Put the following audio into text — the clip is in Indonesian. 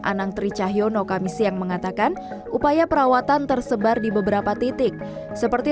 anang tri cahyono kamis yang mengatakan upaya perawatan tersebar di beberapa titik seperti